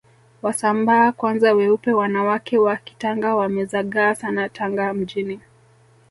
Wasambaa kwanza weupe wanawake wa kitanga wamezagaa Sana Tanga mjini